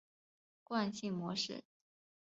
惯性模式。